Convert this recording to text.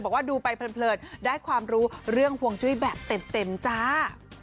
บอกว่าดูไปเพลินได้ความรู้เรื่องห่วงจุ้ยแบบเต็มจ้า